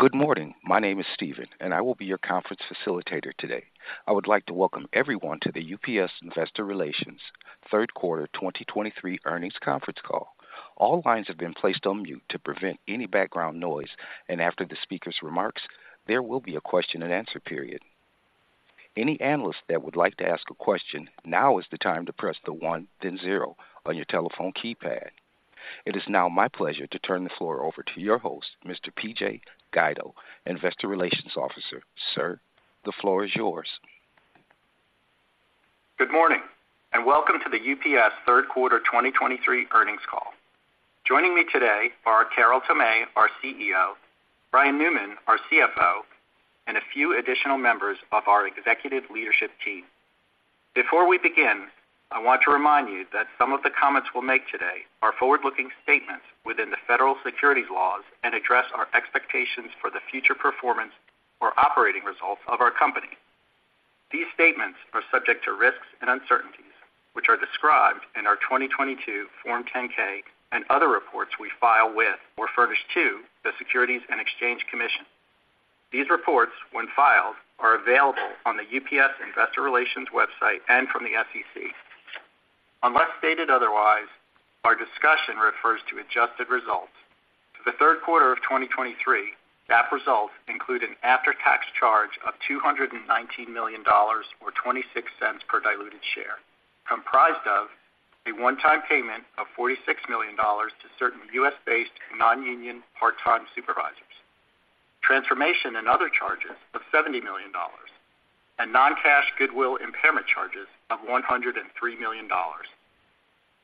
Good morning. My name is Steven, and I will be your conference facilitator today. I would like to welcome everyone to the UPS Investor Relations Q3 2023 earnings conference call. All lines have been placed on mute to prevent any background noise, and after the speaker's remarks, there will be a question-and-answer period. Any analyst that would like to ask a question, now is the time to press the one, then zero on your telephone keypad. It is now my pleasure to turn the floor over to your host, Mr. PJ Guido, Investor Relations Officer. Sir, the floor is yours. Good morning, and welcome to the UPS Q3 2023 earnings call. Joining me today are Carol Tomé, our CEO, Brian Newman, our CFO, and a few additional members of our executive leadership team. Before we begin, I want to remind you that some of the comments we'll make today are forward-looking statements within the federal securities laws and address our expectations for the future performance or operating results of our company. These statements are subject to risks and uncertainties, which are described in our 2022 Form 10-K and other reports we file with or furnish to the Securities and Exchange Commission. These reports, when filed, are available on the UPS Investor Relations website and from the SEC. Unless stated otherwise, our discussion refers to adjusted results. For the Q3 of 2023, GAAP results include an after-tax charge of $219 million or $0.26 per diluted share, comprised of a one-time payment of $46 million to certain US-based, non-union, part-time supervisors, transformation and other charges of $70 million, and non-cash goodwill impairment charges of $103 million.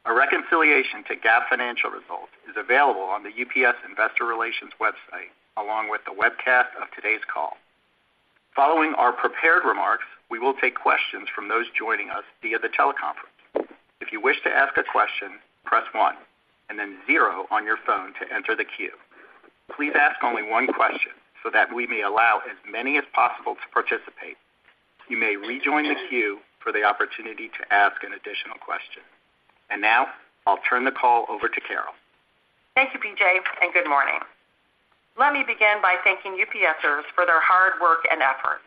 A reconciliation to GAAP financial results is available on the UPS Investor Relations website, along with the webcast of today's call. Following our prepared remarks, we will take questions from those joining us via the teleconference. If you wish to ask a question, press one and then zero on your phone to enter the queue. Please ask only one question so that we may allow as many as possible to participate. You may rejoin the queue for the opportunity to ask an additional question. Now I'll turn the call over to Carol. Thank you, PJ, and good morning. Let me begin by thanking UPSers for their hard work and efforts.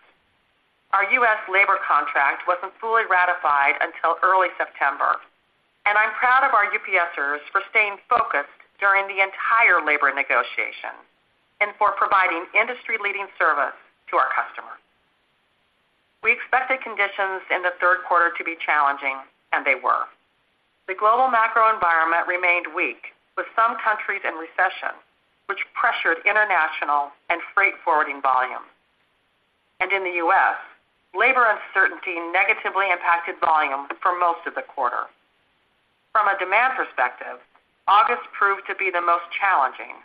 Our US labor contract wasn't fully ratified until early September, and I'm proud of our UPSers for staying focused during the entire labor negotiation and for providing industry-leading service to our customers. We expected conditions in the Q3 to be challenging, and they were. The global macro environment remained weak, with some countries in recession, which pressured international and freight forwarding volumes. In the US, labor uncertainty negatively impacted volume for most of the quarter. From a demand perspective, August proved to be the most challenging,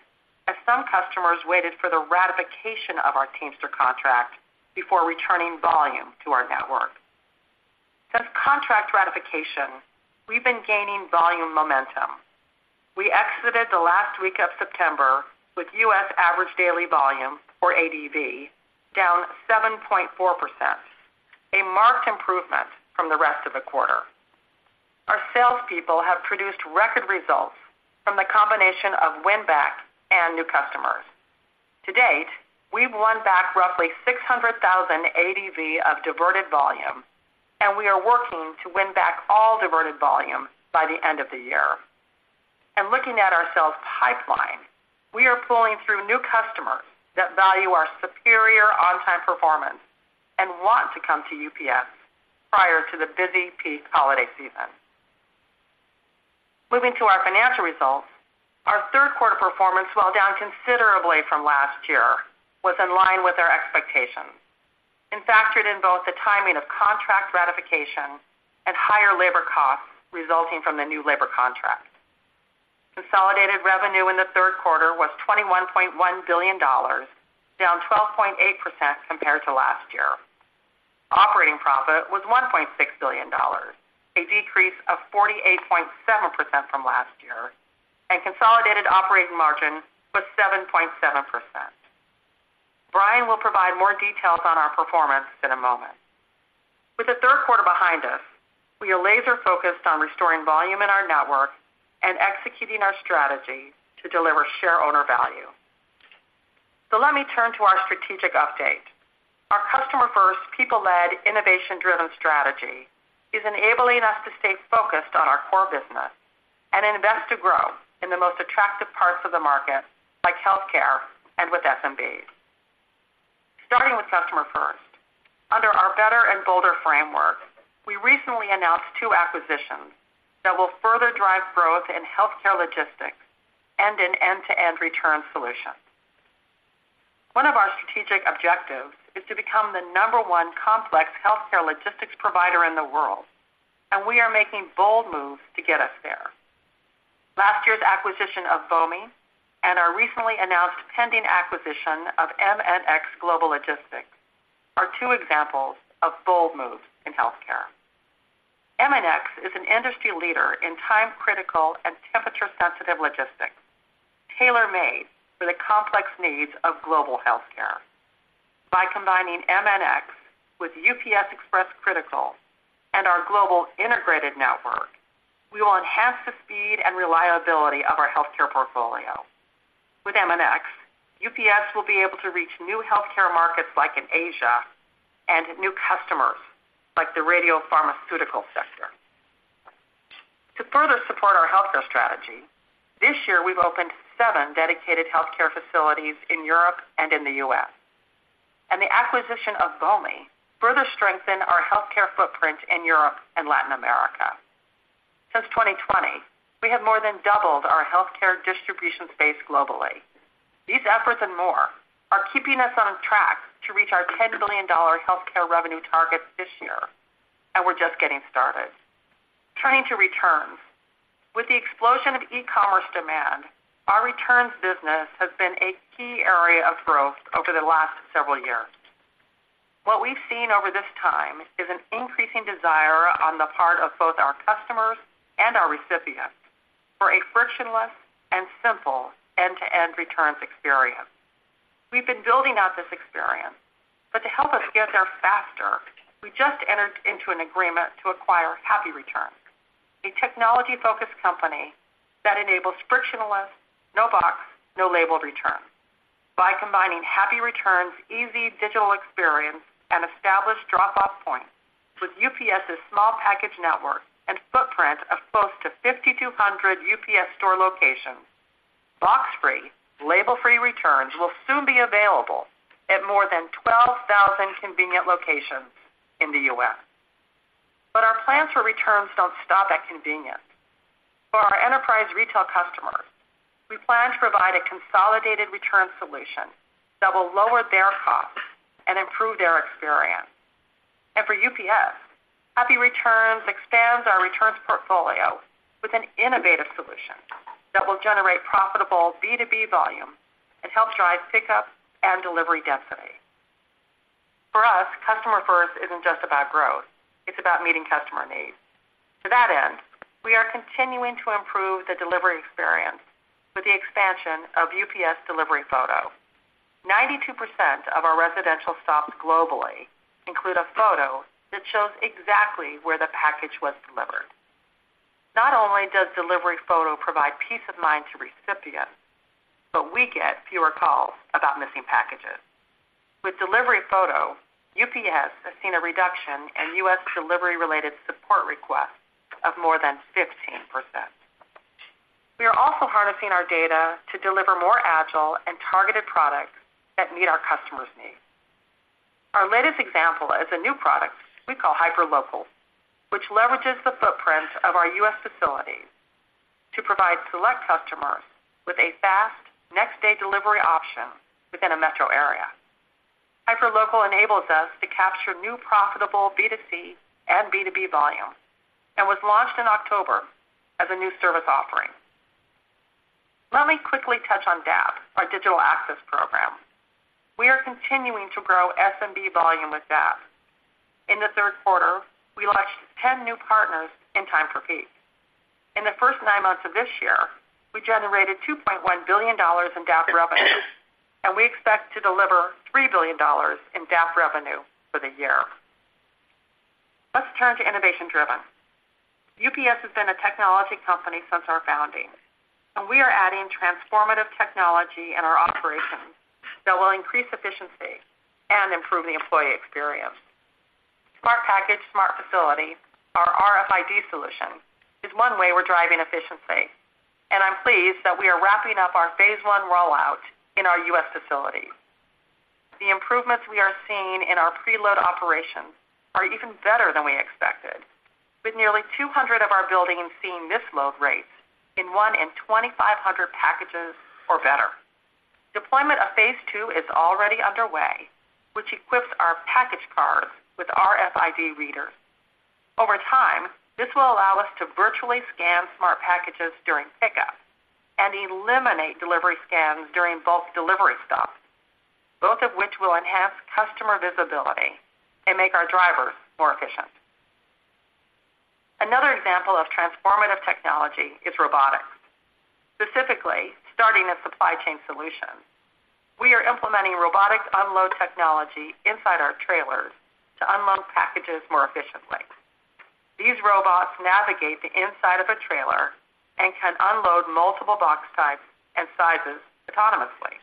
as some customers waited for the ratification of our Teamster contract before returning volume to our network. Since contract ratification, we've been gaining volume momentum. We exited the last week of September with US average daily volume, or ADV, down 7.4%, a marked improvement from the rest of the quarter. Our salespeople have produced record results from the combination of win back and new customers. To date, we've won back roughly 600,000 ADV of diverted volume, and we are working to win back all diverted volume by the end of the year. And looking at our sales pipeline, we are pulling through new customers that value our superior on-time performance and want to come to UPS prior to the busy peak holiday season. Moving to our financial results, our Q3 performance, while down considerably from last year, was in line with our expectations and factored in both the timing of contract ratification and higher labor costs resulting from the new labor contract. Consolidated revenue in the Q3 was $21.1 billion, down 12.8% compared to last year. Operating profit was $1.6 billion, a decrease of 48.7% from last year, and consolidated operating margin was 7.7%. Brian will provide more details on our performance in a moment. With the Q3 behind us, we are laser focused on restoring volume in our network and executing our strategy to deliver shareowner value. Let me turn to our strategic update. Our customer first, people-led, innovation-driven strategy is enabling us to stay focused on our core business and invest to grow in the most attractive parts of the market, like healthcare and with SMBs. Starting with customer first, under our better and bolder framework, we recently announced two acquisitions that will further drive growth in healthcare logistics and in end-to-end return solutions. One of our strategic objectives is to become the number one complex healthcare logistics provider in the world, and we are making bold moves to get us there. Last year's acquisition of Bomi and our recently announced pending acquisition of MNX Global Logistics are two examples of bold moves in healthcare. MNX is an industry leader in time-critical and temperature-sensitive logistics, tailor-made for the complex needs of global healthcare... By combining MNX with UPS Express Critical and our global integrated network, we will enhance the speed and reliability of our healthcare portfolio. With MNX, UPS will be able to reach new healthcare markets like in Asia and new customers like the radiopharmaceutical sector. To further support our healthcare strategy, this year we've opened seven dedicated healthcare facilities in Europe and in the US, and the acquisition of Bomi further strengthened our healthcare footprint in Europe and Latin America. Since 2020, we have more than doubled our healthcare distribution space globally. These efforts and more are keeping us on track to reach our $10 billion healthcare revenue targets this year, and we're just getting started. Turning to returns. With the explosion of e-commerce demand, our returns business has been a key area of growth over the last several years. What we've seen over this time is an increasing desire on the part of both our customers and our recipients for a frictionless and simple end-to-end returns experience. We've been building out this experience, but to help us get there faster, we just entered into an agreement to acquire Happy Returns, a technology-focused company that enables frictionless, no box, no label returns. By combining Happy Returns' easy digital experience and established drop-off points with UPS's small package network and footprint of close to 5,200 UPS Store locations, box-free, label-free returns will soon be available at more than 12,000 convenient locations in the US But our plans for returns don't stop at convenience. For our enterprise retail customers, we plan to provide a consolidated return solution that will lower their costs and improve their experience. And for UPS, Happy Returns expands our returns portfolio with an innovative solution that will generate profitable B2B volume and help drive pickup and delivery density. For us, customer first isn't just about growth, it's about meeting customer needs. To that end, we are continuing to improve the delivery experience with the expansion of UPS Delivery Photo. 92% of our residential stops globally include a photo that shows exactly where the package was delivered. Not only does Delivery Photo provide peace of mind to recipients, but we get fewer calls about missing packages. With delivery photo, UPS has seen a reduction in US delivery-related support requests of more than 15%. We are also harnessing our data to deliver more agile and targeted products that meet our customers' needs. Our latest example is a new product we call Hyperlocal, which leverages the footprint of our US facilities to provide select customers with a fast, next-day delivery option within a metro area. Hyperlocal enables us to capture new profitable B2C and B2B volume and was launched in October as a new service offering. Let me quickly touch on DAP, our digital access program. We are continuing to grow SMB volume with DAP. In the Q3, we launched 10 new partners in time for peak. In the first nine months of this year, we generated $2.1 billion in DAP revenue, and we expect to deliver $3 billion in DAP revenue for the year. Let's turn to innovation driven. UPS has been a technology company since our founding, and we are adding transformative technology in our operations that will increase efficiency and improve the employee experience. Smart Package, Smart Facility, our RFID solution is one way we're driving efficiency, and I'm pleased that we are wrapping up our phase one rollout in our US facilities. The improvements we are seeing in our preload operations are even better than we expected, with nearly 200 of our buildings seeing misload rates in 1 in 2,500 packages or better. Deployment of phase 2 is already underway, which equips our package cars with RFID readers. Over time, this will allow us to virtually scan Smart Packages during pickup and eliminate delivery scans during bulk delivery stops, both of which will enhance customer visibility and make our drivers more efficient. Another example of transformative technology is robotics. Specifically, starting with Supply Chain Solutions, we are implementing robotic unload technology inside our trailers to unload packages more efficiently. These robots navigate the inside of a trailer and can unload multiple box types and sizes autonomously.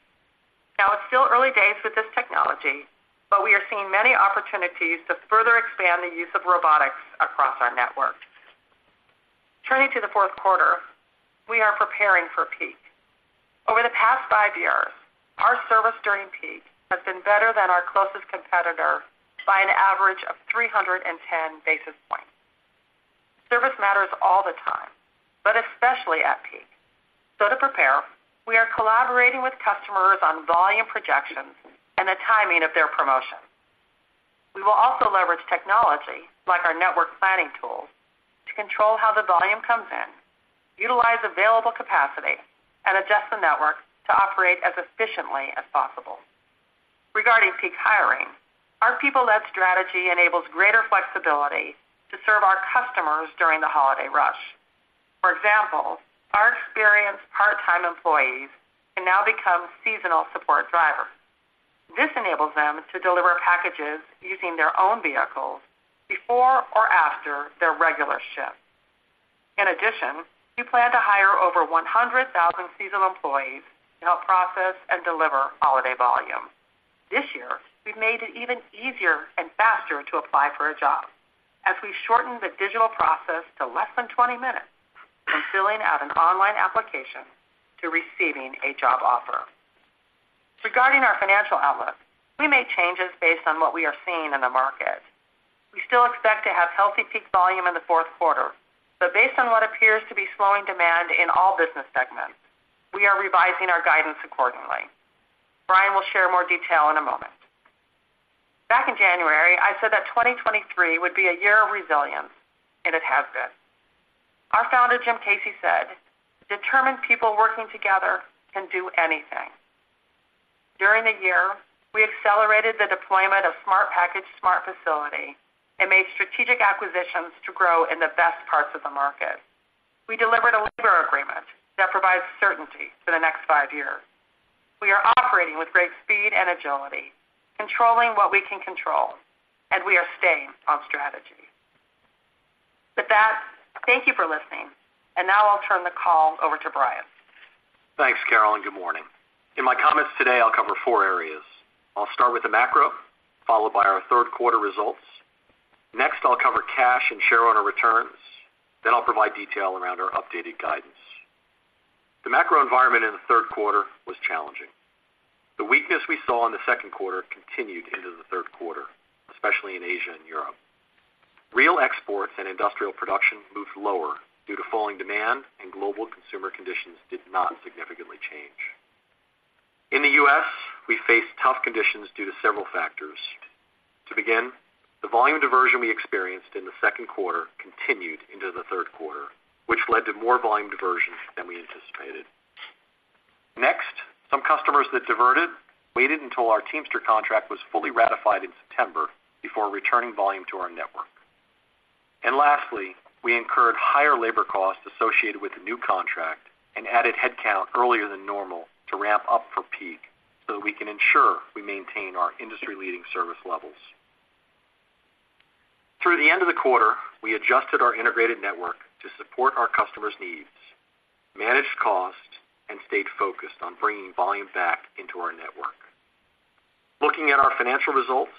Now, it's still early days with this technology, but we are seeing many opportunities to further expand the use of robotics across our network. Turning to the Q4, we are preparing for peak. Over the past 5 years, our service during peak has been better than our closest competitor by an average of 310 basis points. Service matters all the time, but especially at peak. So to prepare, we are collaborating with customers on volume projections and the timing of their promotions. We will also leverage technology, like our network planning tools, to control how the volume comes in, utilize available capacity, and adjust the network to operate as efficiently as possible. Regarding peak hiring, our people-led strategy enables greater flexibility to serve our customers during the holiday rush. For example, our experienced part-time employees can now become seasonal support drivers. This enables them to deliver packages using their own vehicles before or after their regular shift. In addition, we plan to hire over 100,000 seasonal employees to help process and deliver holiday volume. This year, we've made it even easier and faster to apply for a job as we shortened the digital process to less than 20 minutes, from filling out an online application to receiving a job offer. Regarding our financial outlook, we made changes based on what we are seeing in the market. We still expect to have healthy peak volume in the Q4, but based on what appears to be slowing demand in all business segments, we are revising our guidance accordingly. Brian will share more detail in a moment. Back in January, I said that 2023 would be a year of resilience, and it has been. Our founder, Jim Casey, said, "Determined people working together can do anything." During the year, we accelerated the deployment of Smart Package, Smart Facility, and made strategic acquisitions to grow in the best parts of the market. We delivered a labor agreement that provides certainty for the next five years. We are operating with great speed and agility, controlling what we can control, and we are staying on strategy. With that, thank you for listening. And now I'll turn the call over to Brian. Thanks, Carol, and good morning. In my comments today, I'll cover four areas. I'll start with the macro, followed by our Q3 results. Next, I'll cover cash and shareowner returns, then I'll provide detail around our updated guidance. The macro environment in the Q3 was challenging. The weakness we saw in the Q2 continued into the Q3, especially in Asia and Europe. Real exports and industrial production moved lower due to falling demand, and global consumer conditions did not significantly change. In the US, we faced tough conditions due to several factors. To begin, the volume diversion we experienced in the Q2 continued into the Q3, which led to more volume diversion than we anticipated. Next, some customers that diverted waited until our Teamster contract was fully ratified in September before returning volume to our network. And lastly, we incurred higher labor costs associated with the new contract and added headcount earlier than normal to ramp up for peak so we can ensure we maintain our industry-leading service levels. Through the end of the quarter, we adjusted our integrated network to support our customers' needs, managed costs, and stayed focused on bringing volume back into our network. Looking at our financial results,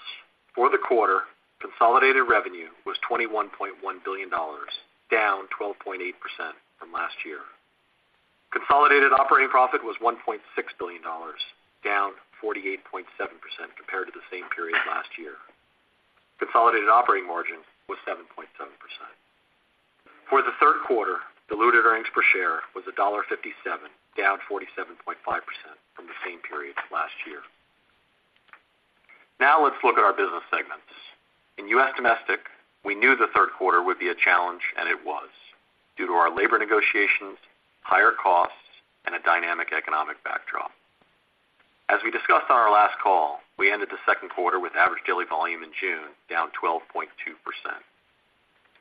for the quarter, consolidated revenue was $21.1 billion, down 12.8% from last year. Consolidated operating profit was $1.6 billion, down 48.7% compared to the same period last year. Consolidated operating margin was 7.7%. For the Q3, diluted earnings per share was $1.57, down 47.5% from the same period last year. Now let's look at our business segments. In US Domestic, we knew the Q3 would be a challenge, and it was, due to our labor negotiations, higher costs, and a dynamic economic backdrop. As we discussed on our last call, we ended the Q2 with average daily volume in June, down 12.2%.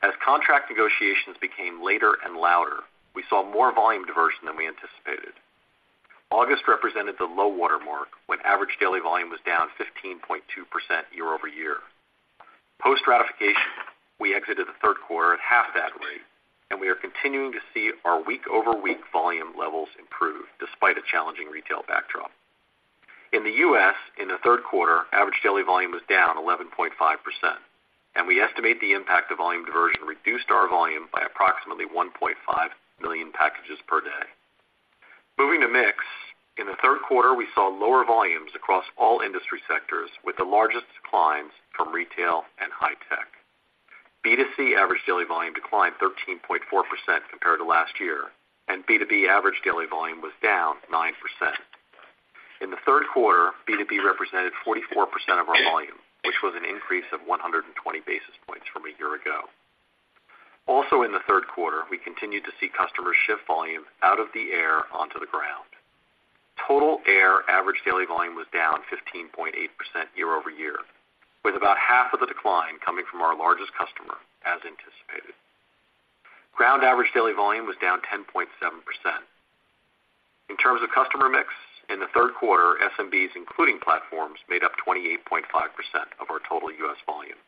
As contract negotiations became later and louder, we saw more volume diversion than we anticipated. August represented the low water mark, when average daily volume was down 15.2% year-over-year. Post-ratification, we exited the Q3 at half that rate, and we are continuing to see our week-over-week volume levels improve, despite a challenging retail backdrop. In the US, in the Q3, average daily volume was down 11.5%, and we estimate the impact of volume diversion reduced our volume by approximately 1.5 million packages per day. Moving to mix, in the Q3, we saw lower volumes across all industry sectors, with the largest declines from retail and high tech. B2C average daily volume declined 13.4% compared to last year, and B2B average daily volume was down 9%. In the Q3, B2B represented 44% of our volume, which was an increase of 120 basis points from a year ago. Also in the Q3, we continued to see customers shift volume out of the air onto the ground. Total air average daily volume was down 15.8% year-over-year, with about half of the decline coming from our largest customer, as anticipated. Ground average daily volume was down 10.7%. In terms of customer mix, in the Q3, SMBs, including platforms, made up 28.5% of our total US volume,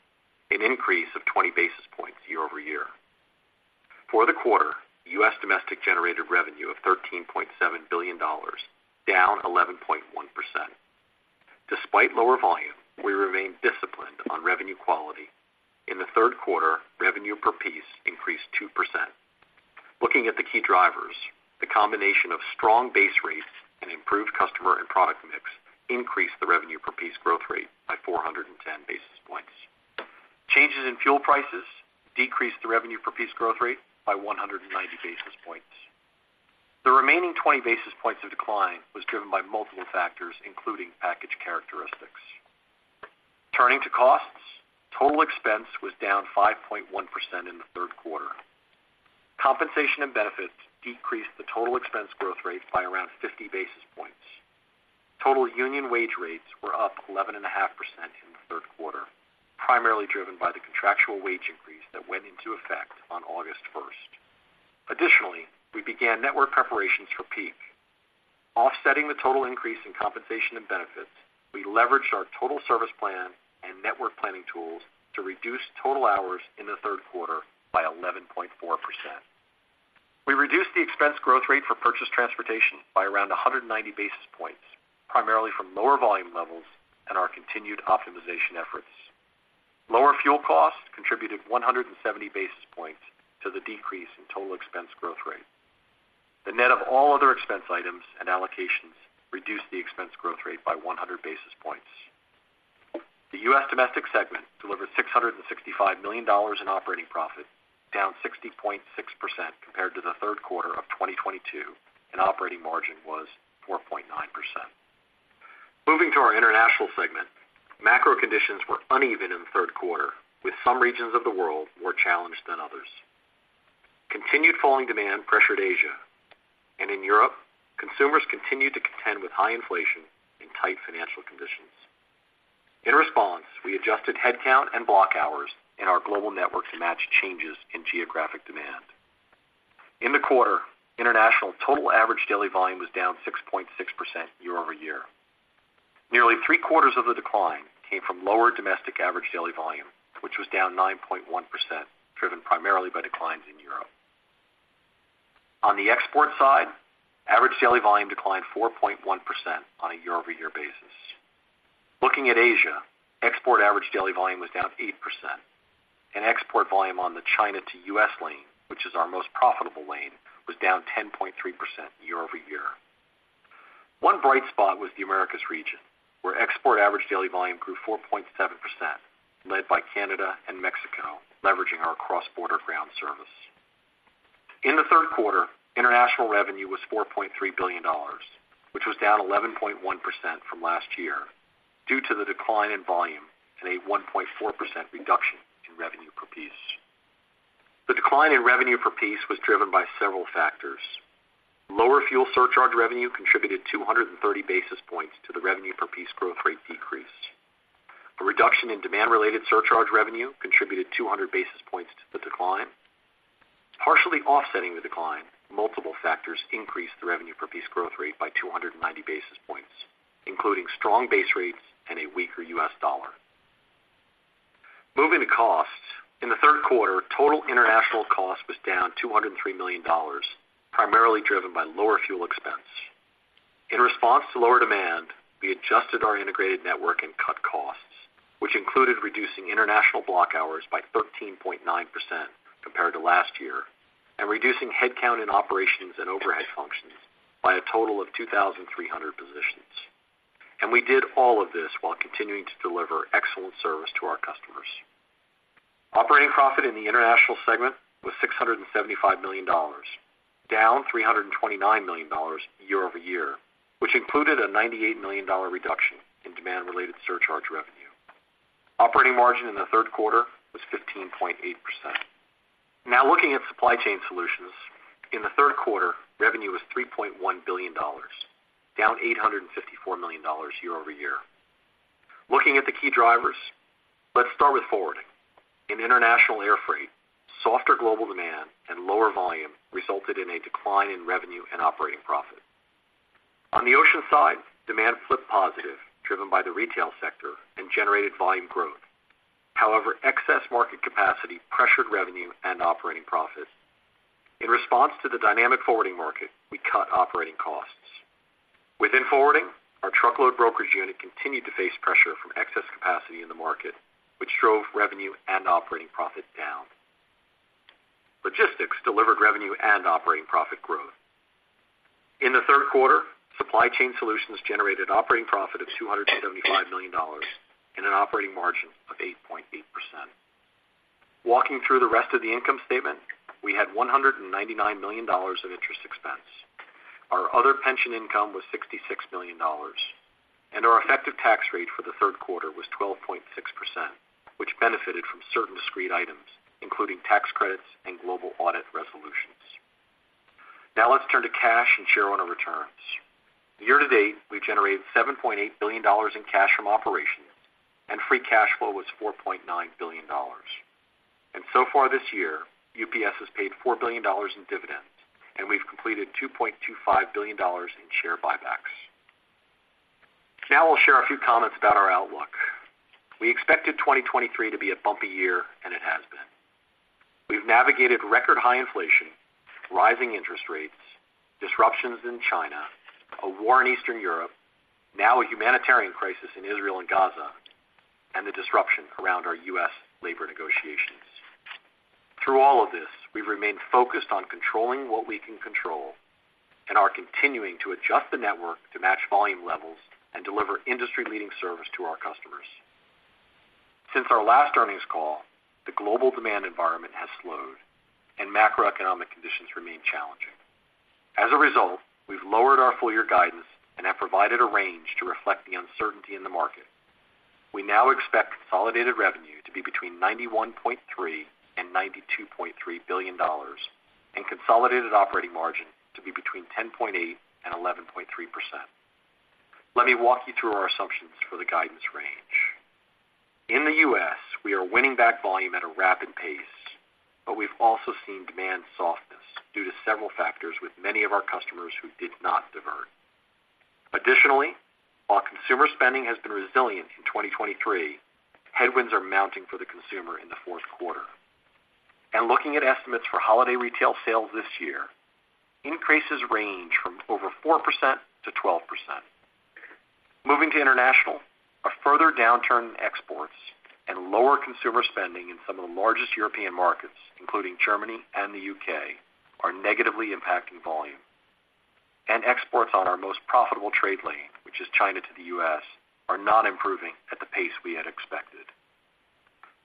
an increase of 20 basis points year-over-year. For the quarter, US Domestic generated revenue of $13.7 billion, down 11.1%. Despite lower volume, we remain disciplined on revenue quality. In the Q3, revenue per piece increased 2%. Looking at the key drivers, the combination of strong base rates and improved customer and product mix increased the revenue per piece growth rate by 410 basis points. Changes in fuel prices decreased the revenue per piece growth rate by 190 basis points. The remaining 20 basis points of decline was driven by multiple factors, including package characteristics. Turning to costs, total expense was down 5.1% in the Q3. Compensation and benefits decreased the total expense growth rate by around 50 basis points. Total union wage rates were up 11.5% in the Q3, primarily driven by the contractual wage increase that went into effect on August 1. Additionally, we began network preparations for peak. Offsetting the total increase in compensation and benefits, we leveraged our total service plan and network planning tools to reduce total hours in the Q3 by 11.4%. We reduced the expense growth rate for purchase transportation by around 190 basis points, primarily from lower volume levels and our continued optimization efforts. Lower fuel costs contributed 170 basis points to the decrease in total expense growth rate. The net of all other expense items and allocations reduced the expense growth rate by 100 basis points. The US domestic segment delivered $665 million in operating profit, down 60.6% compared to the Q3 of 2022, and operating margin was 4.9%. Moving to our international segment, macro conditions were uneven in the Q3, with some regions of the world more challenged than others. Continued falling demand pressured Asia, and in Europe, consumers continued to contend with high inflation and tight financial conditions. In response, we adjusted headcount and block hours in our global network to match changes in geographic demand. In the quarter, international total average daily volume was down 6.6% year-over-year. Nearly three-quarters of the decline came from lower domestic average daily volume, which was down 9.1%, driven primarily by declines in Europe. On the export side, average daily volume declined 4.1% on a year-over-year basis. Looking at Asia, export average daily volume was down 8%, and export volume on the China to US lane, which is our most profitable lane, was down 10.3% year-over-year. One bright spot was the Americas region, where export average daily volume grew 4.7%, led by Canada and Mexico, leveraging our cross-border ground service. In the Q3, international revenue was $4.3 billion, which was down 11.1% from last year due to the decline in volume and a 1.4% reduction in revenue per piece. The decline in revenue per piece was driven by several factors. Lower fuel surcharge revenue contributed 230 basis points to the revenue per piece growth rate decrease. A reduction in demand-related surcharge revenue contributed 200 basis points to the decline. Partially offsetting the decline, multiple factors increased the revenue per piece growth rate by 290 basis points, including strong base rates and a weaker US dollar. Moving to costs. In the Q3, total international cost was down $203 million, primarily driven by lower fuel expense. In response to lower demand, we adjusted our integrated network and cut costs, which included reducing international block hours by 13.9% compared to last year, and reducing headcount in operations and overhead functions by a total of 2,300 positions. We did all of this while continuing to deliver excellent service to our customers. Operating profit in the International segment was $675 million, down $329 million year-over-year, which included a $98 million reduction in demand-related surcharge revenue. Operating margin in the Q3 was 15.8%. Now, looking at Supply Chain Solutions. In the Q3, revenue was $3.1 billion, down $854 million year-over-year. Looking at the key drivers, let's start with forwarding. In international airfreight, softer global demand and lower volume resulted in a decline in revenue and operating profit. On the ocean side, demand flipped positive, driven by the retail sector and generated volume growth. However, excess market capacity pressured revenue and operating profits. In response to the dynamic forwarding market, we cut operating costs. Within forwarding, our truckload brokerage unit continued to face pressure from excess capacity in the market, which drove revenue and operating profit down. Logistics delivered revenue and operating profit growth. In the Q3, Supply Chain Solutions generated operating profit of $275 million and an operating margin of 8.8%. Walking through the rest of the income statement, we had $199 million of interest expense. Our other pension income was $66 million, and our effective tax rate for the Q3 was 12.6%, which benefited from certain discrete items, including tax credits and global audit resolutions. Now, let's turn to cash and shareowner returns. Year to date, we've generated $7.8 billion in cash from operations, and free cash flow was $4.9 billion. So far this year, UPS has paid $4 billion in dividends, and we've completed $2.25 billion in share buybacks. Now I'll share a few comments about our outlook. We expected 2023 to be a bumpy year, and it has been. We've navigated record high inflation, rising interest rates, disruptions in China, a war in Eastern Europe, now a humanitarian crisis in Israel and Gaza, and the disruption around our US labor negotiations. Through all of this, we've remained focused on controlling what we can control and are continuing to adjust the network to match volume levels and deliver industry-leading service to our customers. Since our last earnings call, the global demand environment has slowed and macroeconomic conditions remain challenging. As a result, we've lowered our full year guidance and have provided a range to reflect the uncertainty in the market. We now expect consolidated revenue to be between $91.3 billion and $92.3 billion, and consolidated operating margin to be between 10.8% and 11.3%. Let me walk you through our assumptions for the guidance range. In the US, we are winning back volume at a rapid pace, but we've also seen demand softness due to several factors with many of our customers who did not divert. Additionally, while consumer spending has been resilient in 2023, headwinds are mounting for the consumer in the Q4. Looking at estimates for holiday retail sales this year, increases range from over 4% to 12%. Moving to international, a further downturn in exports and lower consumer spending in some of the largest European markets, including Germany and the U.K., are negatively impacting volume. Exports on our most profitable trade lane, which is China to the US, are not improving at the pace we had expected.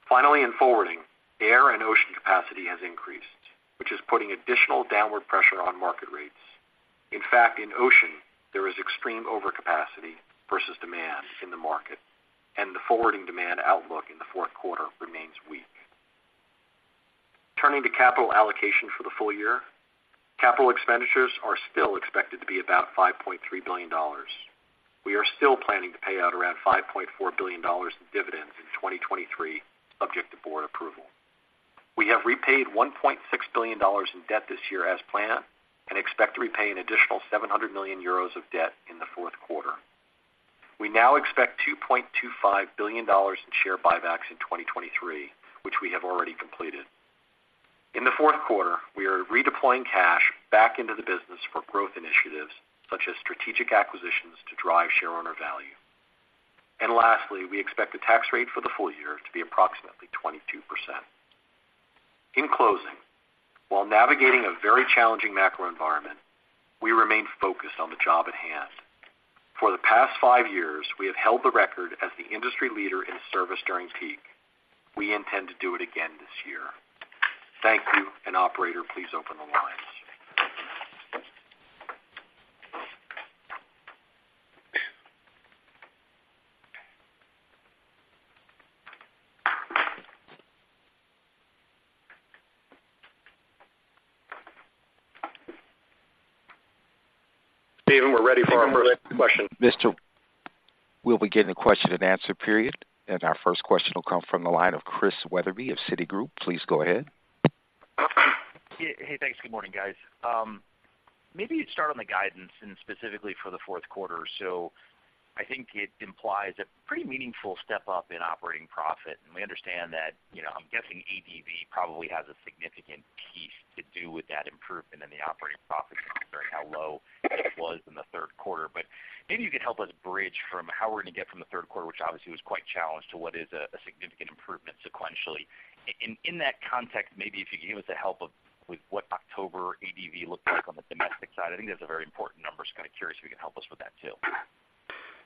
Finally, in forwarding, air and ocean capacity has increased, which is putting additional downward pressure on market rates. In fact, in ocean, there is extreme overcapacity versus demand in the market, and the forwarding demand outlook in the Q4 remains weak. Turning to capital allocation for the full year, capital expenditures are still expected to be about $5.3 billion. We are still planning to pay out around $5.4 billion in dividends in 2023, subject to board approval. We have repaid $1.6 billion in debt this year as planned, and expect to repay an additional 700 million euros of debt in the Q4. We now expect $2.25 billion in share buybacks in 2023, which we have already completed. In the Q4, we are redeploying cash back into the business for growth initiatives such as strategic acquisitions to drive share owner value. And lastly, we expect the tax rate for the full year to be approximately 22%. In closing, while navigating a very challenging macro environment, we remain focused on the job at hand. For the past five years, we have held the record as the industry leader in service during peak. We intend to do it again this year. Thank you, and operator, please open the lines. Steven, we're ready for our first question. Mr. We'll begin the question and answer period, and our first question will come from the line of Chris Wetherbee of Citigroup. Please go ahead. Hey, thanks. Good morning, guys. Maybe you'd start on the guidance and specifically for the Q4. So I think it implies a pretty meaningful step up in operating profit, and we understand that, you know, I'm guessing ADV probably has a significant piece to do with that improvement in the operating profit, considering how low it was in the Q3. But maybe you could help us bridge from how we're going to get from the Q3, which obviously was quite challenged, to what is a significant improvement sequentially. In that context, maybe if you could give us some help with what October ADV looked like on the domestic side. I think that's a very important number, so kind of curious if you can help us with that too.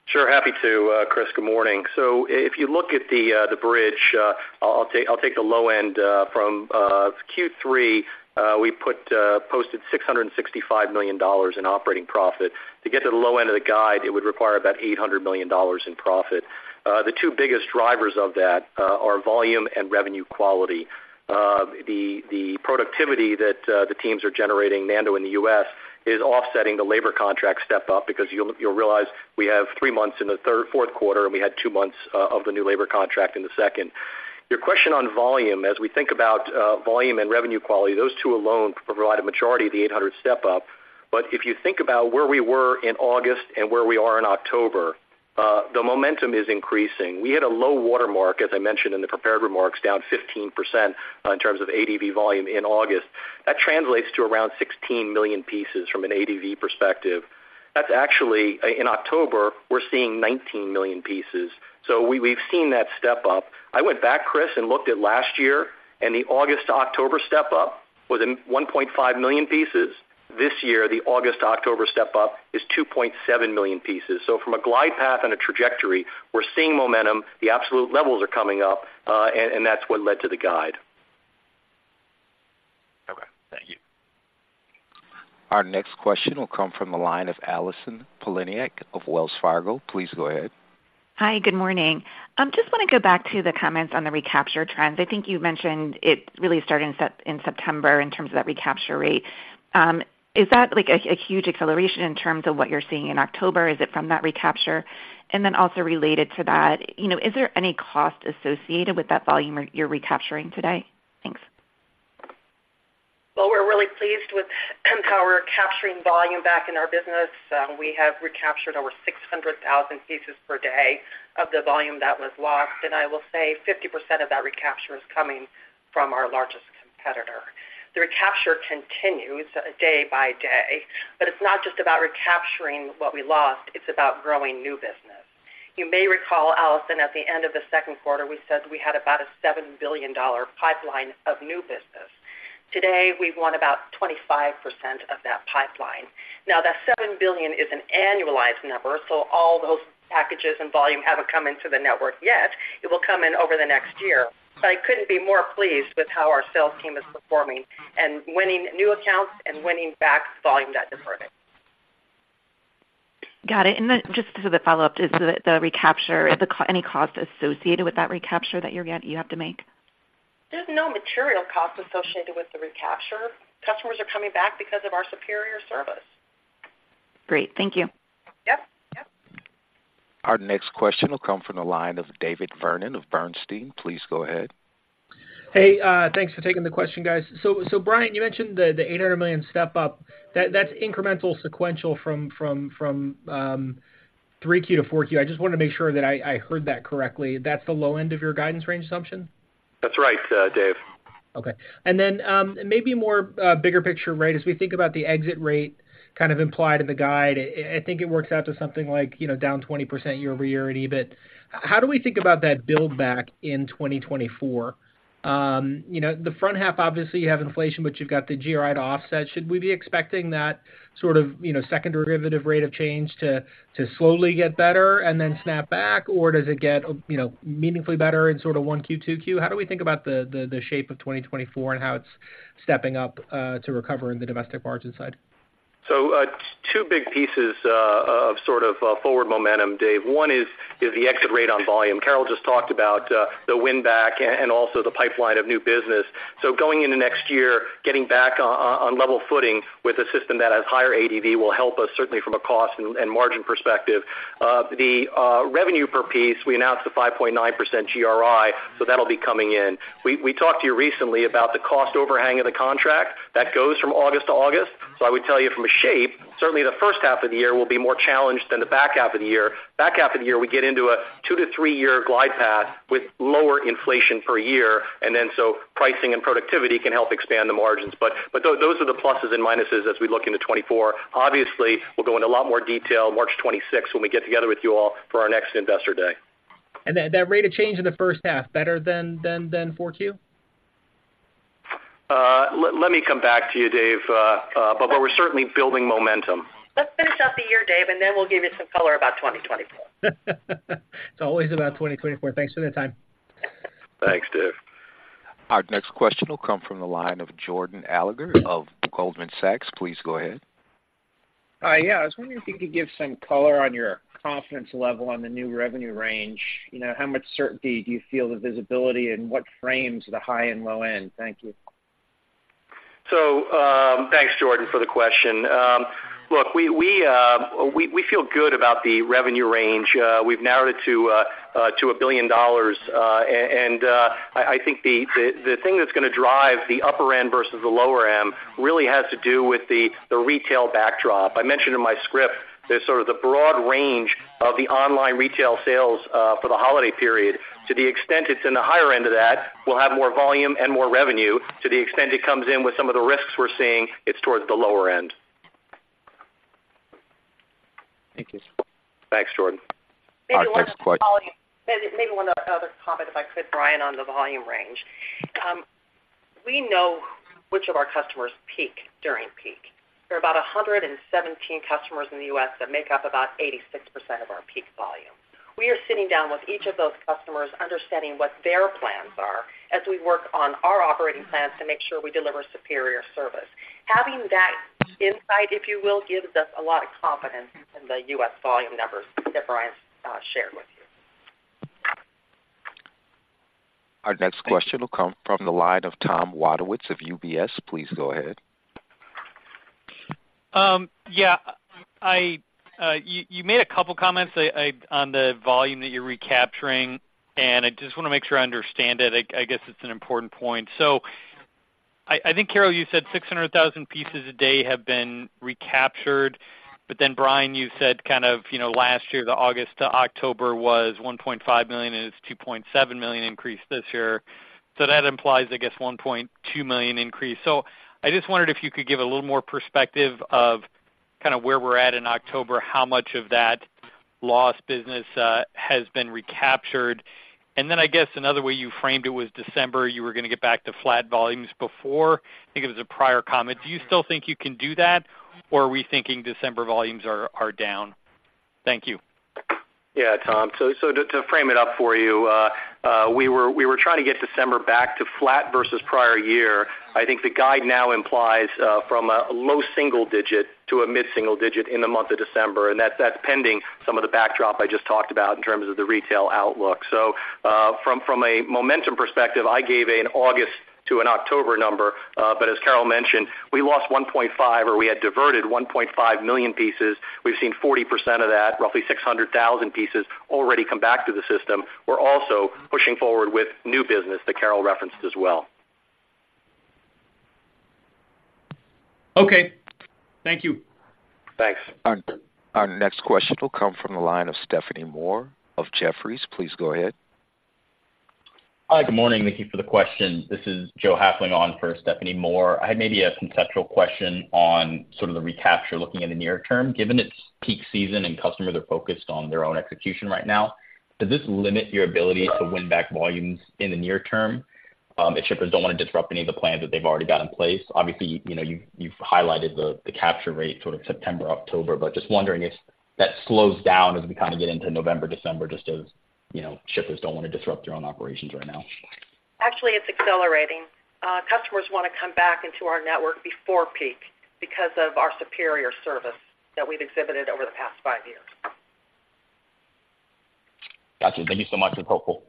Sure, happy to, Chris. Good morning. So if you look at the, the bridge, I'll take, I'll take the low end, from, Q3, we put, posted $665 million in operating profit. To get to the low end of the guide, it would require about $800 million in profit. The two biggest drivers of that are volume and revenue quality. The, the productivity that the teams are generating, Nando, in the US, is offsetting the labor contract step up, because you'll, you'll realize we have three months in the third, Q4, and we had two months of the new labor contract in the second. Your question on volume, as we think about, volume and revenue quality, those two alone provide a majority of the eight hundred step up. But if you think about where we were in August and where we are in October, the momentum is increasing. We hit a low watermark, as I mentioned in the prepared remarks, down 15%, in terms of ADV volume in August. That translates to around 16 million pieces from an ADV perspective. That's actually, in October, we're seeing 19 million pieces. So we've seen that step up. I went back, Chris, and looked at last year, and the August to October step up was in 1.5 million pieces. This year, the August to October step up is 2.7 million pieces. So from a glide path and a trajectory, we're seeing momentum. The absolute levels are coming up, and that's what led to the guide. Okay, thank you. Our next question will come from the line of Allison Poliniak of Wells Fargo. Please go ahead. Hi, good morning. Just wanna go back to the comments on the recapture trends. I think you mentioned it really started in September in terms of that recapture rate. Is that, like, a huge acceleration in terms of what you're seeing in October? Is it from that recapture? And then also related to that, you know, is there any cost associated with that volume you're recapturing today? Thanks. Well, we're really pleased with how we're capturing volume back in our business. We have recaptured over 600,000 pieces per day of the volume that was lost, and I will say 50% of that recapture is coming from our largest competitor. The recapture continues day by day, but it's not just about recapturing what we lost, it's about growing new business. You may recall, Alison, at the end of the Q2, we said we had about a $7 billion pipeline of new business. Today, we've won about 25% of that pipeline.... Now, that $7 billion is an annualized number, so all those packages and volume haven't come into the network yet. It will come in over the next year. But I couldn't be more pleased with how our sales team is performing and winning new accounts and winning back volume that diverted. Got it. And then just as a follow-up, is the recapture, if any cost associated with that recapture that you have to make? There's no material cost associated with the recapture. Customers are coming back because of our superior service. Great. Thank you. Yep, yep. Our next question will come from the line of David Vernon of Bernstein. Please go ahead. Hey, thanks for taking the question, guys. So, Brian, you mentioned the $800 million step up. That's incremental sequential from 3Q to 4Q. I just wanted to make sure that I heard that correctly. That's the low end of your guidance range assumption? That's right, Dave. Okay. And then, maybe more bigger picture, right? As we think about the exit rate kind of implied in the guide, I think it works out to something like, you know, down 20% year-over-year or an even bit. How do we think about that buildback in 2024? You know, the front half, obviously, you have inflation, but you've got the GRI to offset. Should we be expecting that sort of, you know, second derivative rate of change to slowly get better and then snap back? Or does it get, you know, meaningfully better in sort of Q1, Q2? How do we think about the shape of 2024 and how it's stepping up to recover in the domestic margin side? So, two big pieces of sort of forward momentum, Dave. One is the exit rate on volume. Carol just talked about the win back and also the pipeline of new business. So going into next year, getting back on level footing with a system that has higher ADV will help us, certainly from a cost and margin perspective. The revenue per piece, we announced a 5.9% GRI, so that'll be coming in. We talked to you recently about the cost overhang of the contract. That goes from August to August. So I would tell you from a shape, certainly the first half of the year will be more challenged than the back half of the year. Back half of the year, we get into a 2-3-year glide path with lower inflation per year, and then so pricing and productivity can help expand the margins. But those are the pluses and minuses as we look into 2024. Obviously, we'll go into a lot more detail March 26th, when we get together with you all for our next Investor Day. Then that rate of change in the first half, better than Q4? Let me come back to you, Dave. But we're certainly building momentum. Let's finish out the year, Dave, and then we'll give you some color about 2024. It's always about 2024. Thanks for the time. Thanks, Dave. Our next question will come from the line of Jordan Alliger of Goldman Sachs. Please go ahead. Hi. Yeah, I was wondering if you could give some color on your confidence level on the new revenue range. You know, how much certainty do you feel the visibility and what frames the high and low end? Thank you. So, thanks, Jordan, for the question. Look, we feel good about the revenue range. We've narrowed it to $1 billion. I think the thing that's gonna drive the upper end versus the lower end really has to do with the retail backdrop. I mentioned in my script, the sort of broad range of the online retail sales for the holiday period. To the extent it's in the higher end of that, we'll have more volume and more revenue. To the extent it comes in with some of the risks we're seeing, it's towards the lower end. Thank you. Thanks, Jordan. Maybe one other comment, if I could, Brian, on the volume range. We know which of our customers peak during peak. There are about 117 customers in the US that make up about 86% of our peak volume. We are sitting down with each of those customers, understanding what their plans are as we work on our operating plans to make sure we deliver superior service. Having that insight, if you will, gives us a lot of confidence in the US volume numbers that Brian shared with you. Our next question will come from the line of Tom Wadewitz of UBS. Please go ahead. Yeah, you made a couple comments on the volume that you're recapturing, and I just want to make sure I understand it. I guess it's an important point. So I think, Carol, you said 600,000 pieces a day have been recaptured. But then, Brian, you said kind of, you know, last year, the August to October was 1.5 million, and it's 2.7 million increase this year. So that implies, I guess, 1.2 million increase. So I just wondered if you could give a little more perspective of kind of where we're at in October, how much of that lost business has been recaptured? And then I guess another way you framed it was December, you were gonna get back to flat volumes before. I think it was a prior comment. Do you still think you can do that, or are we thinking December volumes are, are down? Thank you. Yeah, Tom. So, to frame it up for you, we were trying to get December back to flat versus prior year. I think the guide now implies from a low single digit to a mid-single digit in the month of December, and that's pending some of the backdrop I just talked about in terms of the retail outlook. So, from a momentum perspective, I gave an August to an October number, but as Carol mentioned, we lost 1.5, or we had diverted 1.5 million pieces. We've seen 40% of that, roughly 600,000 pieces, already come back to the system. We're also pushing forward with new business that Carol referenced as well. Okay. Thank you. Thanks. Our next question will come from the line of Stephanie Moore of Jefferies. Please go ahead. Hi, good morning. Thank you for the question. This is Joe Hafling on for Stephanie Moore. I had maybe a conceptual question on sort of the recapture, looking in the near term. Given it's peak season and customers are focused on their own execution right now, does this limit your ability to win back volumes in the near term? If shippers don't want to disrupt any of the plans that they've already got in place. Obviously, you know, you've highlighted the capture rate sort of September, October, but just wondering if that slows down as we kind of get into November, December, just as- ... you know, shippers don't want to disrupt their own operations right now? Actually, it's accelerating. Customers want to come back into our network before peak because of our superior service that we've exhibited over the past five years. Got you. Thank you so much for the call.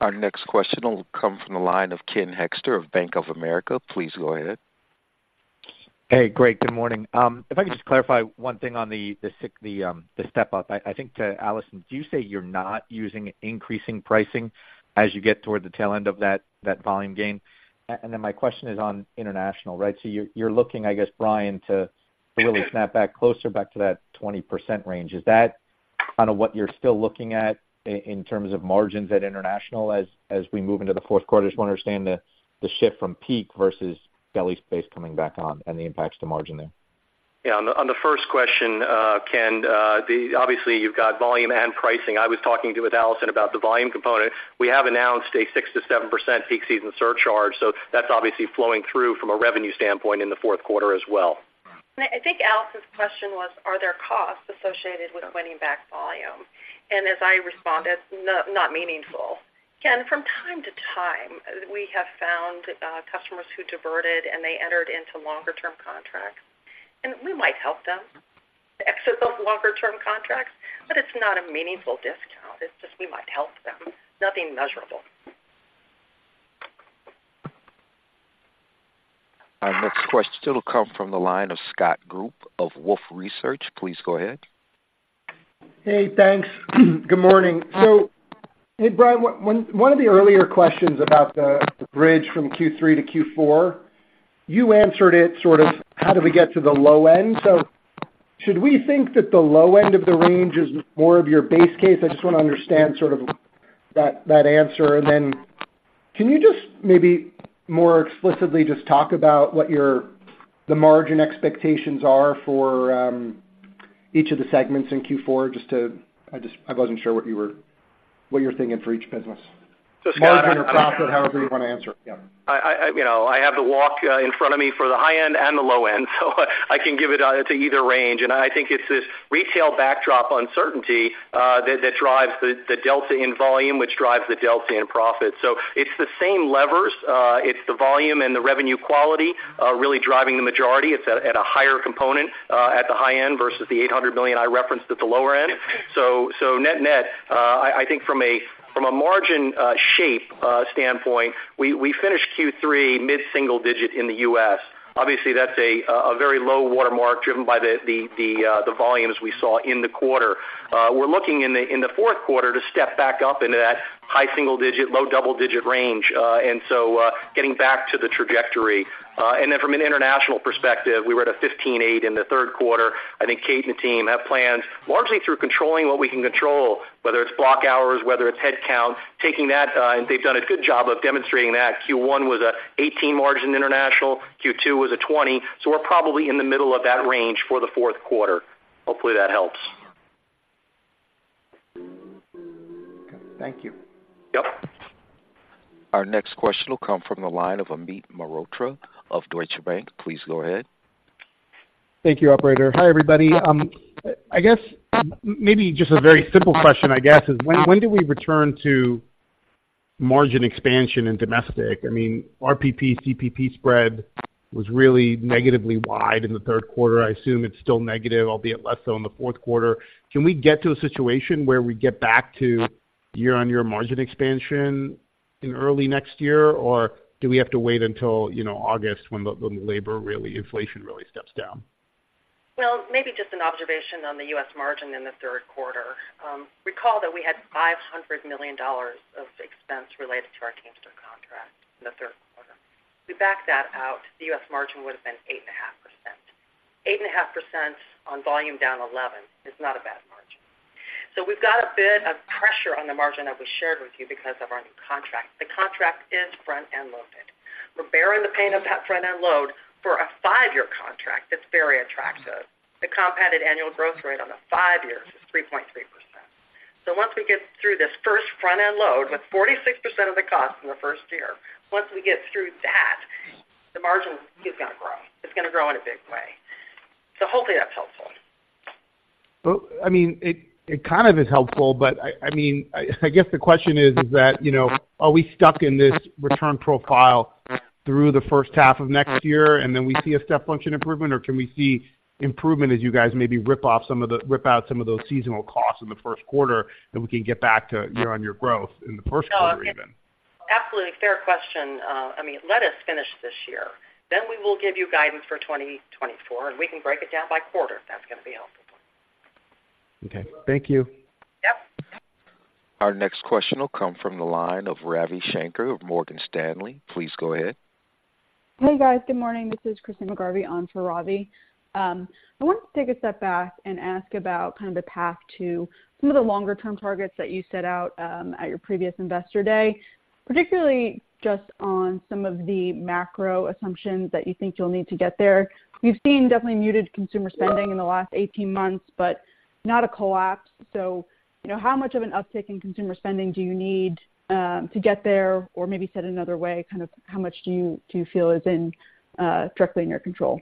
Our next question will come from the line of Ken Hoexter of Bank of America. Please go ahead. Hey, great. Good morning. If I could just clarify one thing on the step up. I think to Alison, do you say you're not using increasing pricing as you get toward the tail end of that volume gain? And then my question is on international, right? So you're looking, I guess, Brian, to really snap back closer back to that 20% range. Is that kind of what you're still looking at in terms of margins at international as we move into the Q4? Just want to understand the shift from peak versus belly space coming back on and the impacts to margin there. Yeah. On the first question, Ken, obviously, you've got volume and pricing. I was talking with Alison about the volume component. We have announced a 6%-7% peak season surcharge, so that's obviously flowing through from a revenue standpoint in the Q4 as well. I think Alison's question was, are there costs associated with winning back volume? And as I responded, no, not meaningful. Ken, from time to time, we have found customers who diverted, and they entered into longer-term contracts, and we might help them to exit those longer-term contracts, but it's not a meaningful discount. It's just we might help them. Nothing measurable. Our next question will come from the line of Scott Group of Wolfe Research. Please go ahead. Hey, thanks. Good morning. So, hey, Brian, one of the earlier questions about the bridge from Q3 to Q4, you answered it sort of how do we get to the low end? So should we think that the low end of the range is more of your base case? I just want to understand sort of that answer. And then can you just maybe more explicitly just talk about what your, the margin expectations are for each of the segments in Q4, just to. I just, I wasn't sure what you were, what you're thinking for each business. You know, I have the walk in front of me for the high end and the low end, so I can give it to either range. And I think it's this retail backdrop uncertainty that drives the delta in volume, which drives the delta in profit. So it's the same levers, it's the volume and the revenue quality really driving the majority. It's a higher component at the high end versus the $800 million I referenced at the lower end. So net-net, I think from a margin shape standpoint, we finished Q3 mid-single digit in the US Obviously, that's a very low watermark, driven by the volumes we saw in the quarter. We're looking in the Q4 to step back up into that high single digit, low double-digit range, and so, getting back to the trajectory. And then from an international perspective, we were at a 15.8 in the Q3. I think Kate and the team have plans, largely through controlling what we can control, whether it's block hours, whether it's headcount, taking that, and they've done a good job of demonstrating that. Q1 was an 18 margin in international, Q2 was a 20, so we're probably in the middle of that range for the Q4. Hopefully, that helps. Thank you. Yep. Our next question will come from the line of Amit Mehrotra of Deutsche Bank. Please go ahead. Thank you, operator. Hi, everybody. I guess maybe just a very simple question, I guess, is when, when do we return to margin expansion in domestic? I mean, RPP, CPP spread was really negatively wide in the Q3. I assume it's still negative, albeit less so in the Q4. Can we get to a situation where we get back to year-on-year margin expansion in early next year, or do we have to wait until, you know, August when the, the labor really, inflation really steps down? Well, maybe just an observation on the US margin in the Q3. Recall that we had $500 million of expense related to our Teamster contract in the Q3. We backed that out, the US margin would have been 8.5%. Eight and a half percent on volume down 11 is not a bad margin. So we've got a bit of pressure on the margin that we shared with you because of our new contract. The contract is front-end loaded. We're bearing the pain of that front-end load for a 5-year contract. That's very attractive. The compounded annual growth rate on the five years is 3.3%. So once we get through this first front-end load, with 46% of the cost in the first year, once we get through that, the margin is going to grow. It's going to grow in a big way. So hopefully that's helpful. But I mean, it, it kind of is helpful, but I, I mean, I guess the question is, is that, you know, are we stuck in this return profile through the first half of next year, and then we see a step function improvement, or can we see improvement as you guys maybe rip off some of the—rip out some of those seasonal costs in the Q1, then we can get back to year-on-year growth in the Q1 even? Absolutely fair question. I mean, let us finish this year, then we will give you guidance for 2024, and we can break it down by quarter, if that's going to be helpful. Okay. Thank you. Yep. Our next question will come from the line of Ravi Shanker of Morgan Stanley. Please go ahead. Hey, guys. Good morning. This is Christyne McGarvey on for Ravi. I wanted to take a step back and ask about kind of the path to some of the longer-term targets that you set out at your previous Investor Day, particularly just on some of the macro assumptions that you think you'll need to get there. We've seen definitely muted consumer spending in the last 18 months, but not a collapse. So you know, how much of an uptick in consumer spending do you need to get there? Or maybe said another way, kind of how much do you, do you feel is in directly in your control?...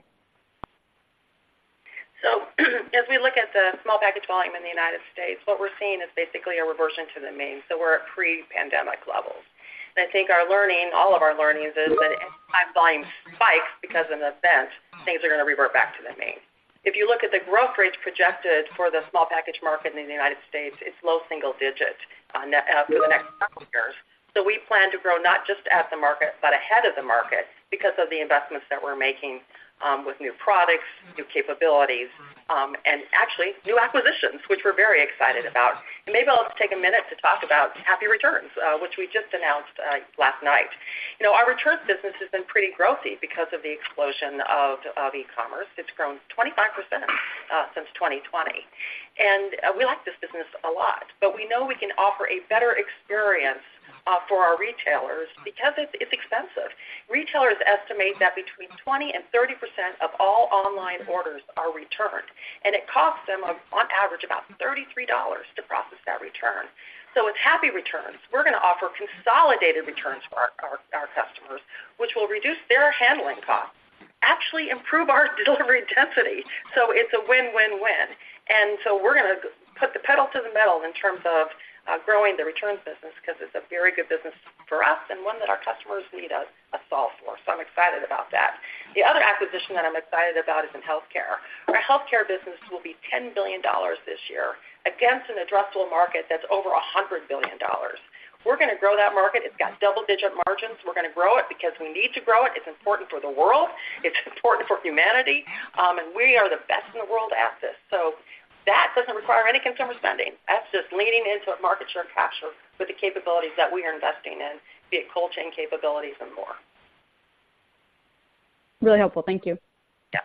So as we look at the small package volume in the United States, what we're seeing is basically a reversion to the mean, so we're at pre-pandemic levels. And I think our learning, all of our learnings, is that anytime volume spikes because of an event, things are gonna revert back to the mean. If you look at the growth rate projected for the small package market in the United States, it's low single digit, net, for the next couple of years. So we plan to grow not just at the market, but ahead of the market because of the investments that we're making, with new products, new capabilities, and actually new acquisitions, which we're very excited about. And maybe I'll take a minute to talk about Happy Returns, which we just announced, last night. You know, our returns business has been pretty growthy because of the explosion of e-commerce. It's grown 25%, since 2020. And we like this business a lot, but we know we can offer a better experience for our retailers because it's expensive. Retailers estimate that between 20% and 30% of all online orders are returned, and it costs them, on average, about $33 to process that return. So with Happy Returns, we're gonna offer consolidated returns for our customers, which will reduce their handling costs, actually improve our delivery density. So it's a win, win, win. And so we're gonna put the pedal to the metal in terms of growing the returns business 'cause it's a very good business for us and one that our customers need a solve for. So I'm excited about that. The other acquisition that I'm excited about is in healthcare. Our healthcare business will be $10 billion this year against an addressable market that's over $100 billion. We're gonna grow that market. It's got double-digit margins. We're gonna grow it because we need to grow it. It's important for the world. It's important for humanity, and we are the best in the world at this. So that doesn't require any consumer spending. That's just leaning into a market share capture with the capabilities that we are investing in, be it cold chain capabilities and more. Really helpful. Thank you. Yeah.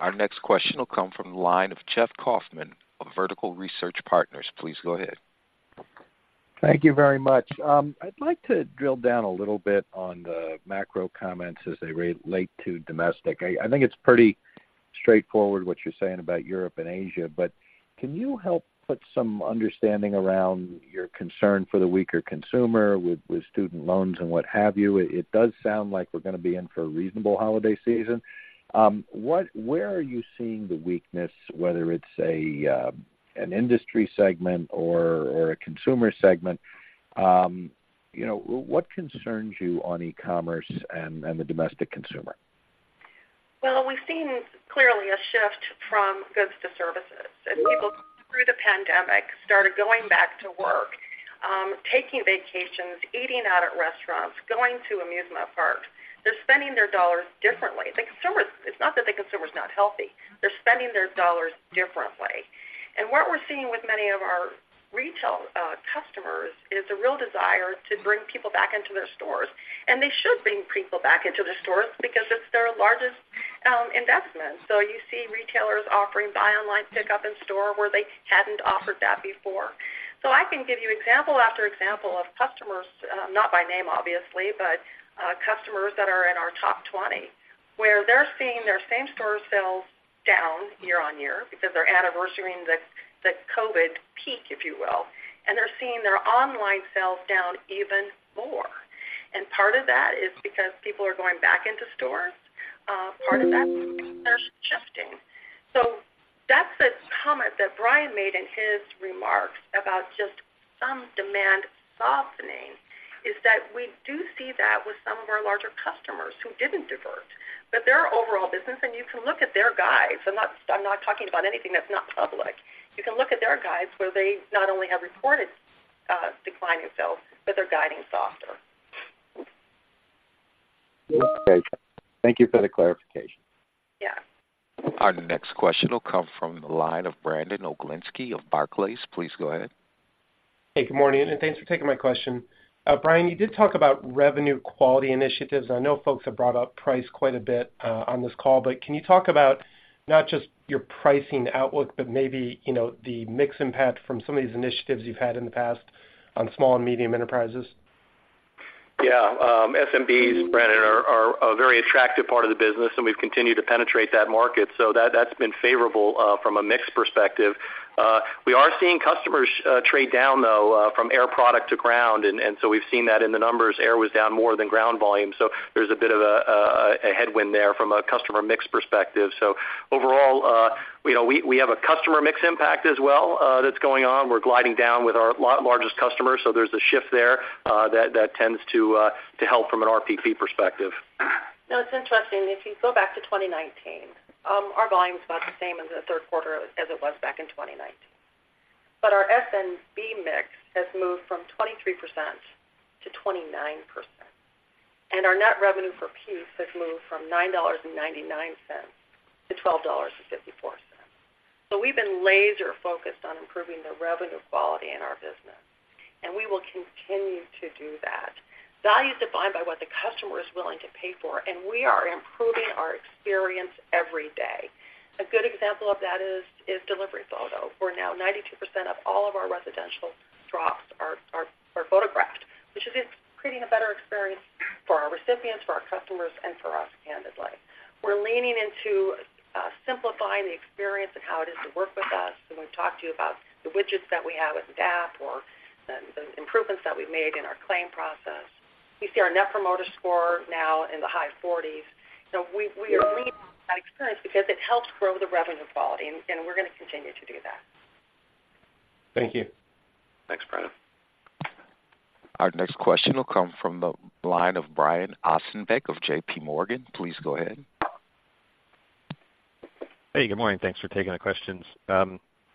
Our next question will come from the line of Jeff Kauffman of Vertical Research Partners. Please go ahead. Thank you very much. I'd like to drill down a little bit on the macro comments as they relate to domestic. I think it's pretty straightforward what you're saying about Europe and Asia, but can you help put some understanding around your concern for the weaker consumer with student loans and what have you? It does sound like we're gonna be in for a reasonable holiday season. Where are you seeing the weakness, whether it's an industry segment or a consumer segment? You know, what concerns you on e-commerce and the domestic consumer? Well, we've seen clearly a shift from goods to services. As people, through the pandemic, started going back to work, taking vacations, eating out at restaurants, going to amusement parks. They're spending their dollars differently. The consumer. It's not that the consumer's not healthy. They're spending their dollars differently. And what we're seeing with many of our retail customers is a real desire to bring people back into their stores, and they should bring people back into their stores because it's their largest investment. So you see retailers offering buy online, pickup in store, where they hadn't offered that before. So I can give you example after example of customers, not by name, obviously, but, customers that are in our top 20, where they're seeing their same store sales down year-on-year because they're anniversarying the COVID peak, if you will, and they're seeing their online sales down even more. And part of that is because people are going back into stores. Part of that they're shifting. So that's the comment that Brian made in his remarks about just some demand softening, is that we do see that with some of our larger customers who didn't divert. But their overall business, and you can look at their guides. I'm not, I'm not talking about anything that's not public. You can look at their guides where they not only have reported, declining sales, but they're guiding softer. Thank you for the clarification. Yeah. Our next question will come from the line of Brandon Oglenski of Barclays. Please go ahead. Hey, good morning, and thanks for taking my question. Brian, you did talk about revenue quality initiatives. I know folks have brought up price quite a bit, on this call, but can you talk about not just your pricing outlook, but maybe, you know, the mix impact from some of these initiatives you've had in the past on small and medium enterprises? Yeah, SMBs, Brandon, are a very attractive part of the business, and we've continued to penetrate that market, so that's been favorable from a mix perspective. We are seeing customers trade down, though, from air product to ground, and so we've seen that in the numbers. Air was down more than ground volume, so there's a bit of a headwind there from a customer mix perspective. So overall, you know, we have a customer mix impact as well that's going on. We're gliding down with our largest customers, so there's a shift there that tends to help from an RPP perspective. Now, it's interesting. If you go back to 2019, our volume's about the same in the Q3 as it was back in 2019. But our SMB mix has moved from 23% to 29%, and our net revenue per piece has moved from $9.99 to $12.54. So we've been laser focused on improving the revenue quality in our business, and we will continue to do that. Value is defined by what the customer is willing to pay for, and we are improving our experience every day. A good example of that is delivery photo, where now 92% of all of our residential drops are photographed, which is creating a better experience for our recipients, for our customers, and for us, candidly. We're leaning into simplifying the experience of how it is to work with us, and we've talked to you about the widgets that we have with DAP or the improvements that we've made in our claim process. We see our net promoter score now in the high forties. So we are leading that experience because it helps grow the revenue quality, and we're going to continue to do that. Thank you. Thanks, Brent. Our next question will come from the line of Brian Ossenbeck of J.P. Morgan. Please go ahead. Hey, good morning. Thanks for taking the questions.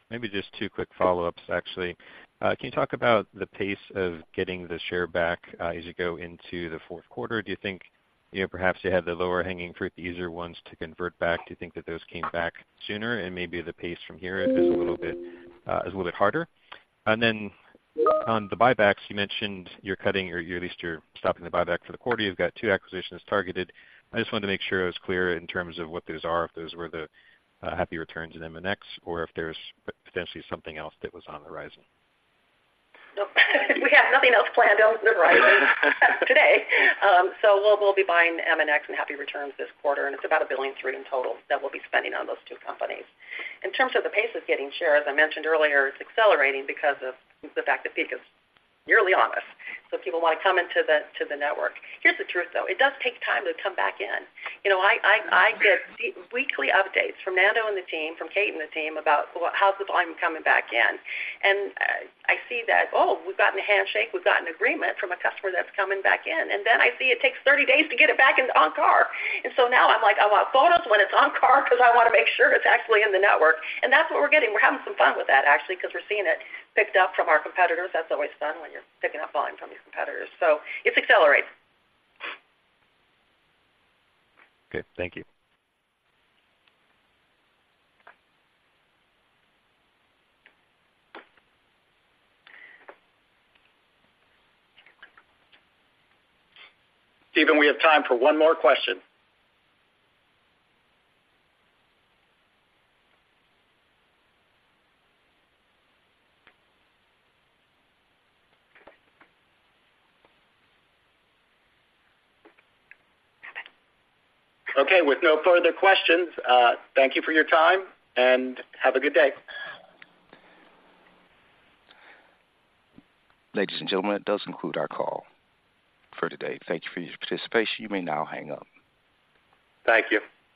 Maybe just two quick follow-ups, actually. Can you talk about the pace of getting the share back as you go into the Q4? Do you think, you know, perhaps you have the low-hanging fruit, the easier ones to convert back? Do you think that those came back sooner and maybe the pace from here is a little bit harder? And then on the buybacks, you mentioned you're cutting or at least you're stopping the buyback for the quarter. You've got two acquisitions targeted. I just wanted to make sure I was clear in terms of what those are, if those were the Happy Returns and MNX, or if there's potentially something else that was on the horizon. We have nothing else planned on the horizon today. So we'll be buying MNX and Happy Returns this quarter, and it's about $1.3 billion in total that we'll be spending on those two companies. In terms of the pace of getting shares, I mentioned earlier, it's accelerating because of the fact that peak is nearly on us, so people want to come into the network. Here's the truth, though. It does take time to come back in. You know, I get weekly updates from Nando and the team, from Kate and the team about well, how's the volume coming back in? And I see that, oh, we've gotten a handshake. We've got an agreement from a customer that's coming back in, and then I see it takes 30 days to get it back in on car. And so now I'm like, I want photos when it's on car because I want to make sure it's actually in the network. And that's what we're getting. We're having some fun with that, actually, because we're seeing it picked up from our competitors. That's always fun when you're picking up volume from your competitors. So it's accelerating. Good. Thank you. Steven, we have time for one more question. Okay. With no further questions, thank you for your time and have a good day. Ladies and gentlemen, that does conclude our call for today. Thank you for your participation. You may now hang up. Thank you.